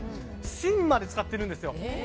芯まで使ってるんですよ。